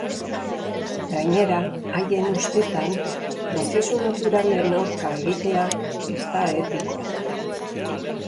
Gainera haien ustetan, prozesu naturalen aurka egitea ez da etikoa.